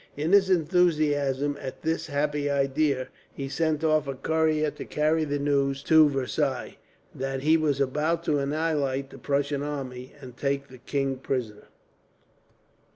In his enthusiasm at this happy idea, he sent off a courier to carry the news, to Versailles, that he was about to annihilate the Prussian army, and take the king prisoner.